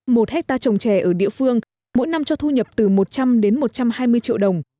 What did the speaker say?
một hectare trồng trè ở địa phương mỗi năm cho thu nhập từ một trăm linh đến một trăm hai mươi triệu đồng